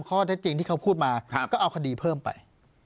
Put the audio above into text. ข้อเท็จจริงที่เขาพูดมาก็เอาคดีเพิ่มไป